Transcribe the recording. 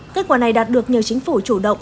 kết quả này đạt được nhờ chính phủ chủ động